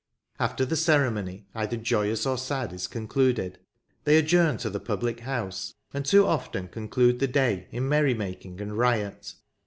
After the ceremony, either joyous or sad, is concluded, they adjourn to the public house, and too often conclude the day in merry making and riot.